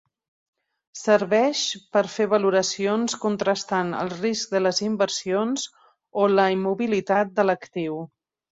Serveix per fer valoracions, contrastant el risc de les inversions o la immobilitat de l'actiu.